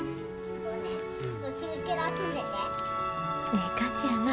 ええ感じやな。